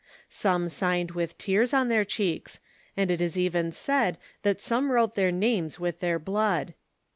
Some signed with tears on their cheeks, and it is even said that some wrote their names with their blood.